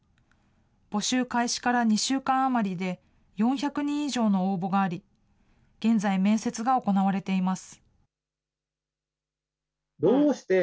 募集開始から２週間余りで、４００人以上の応募があり、現在、面接が行われています。